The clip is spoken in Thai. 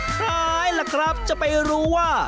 ใครล่ะครับจะไปรู้ว่า